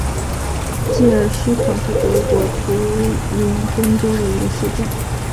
基尔施考是德国图林根州的一个市镇。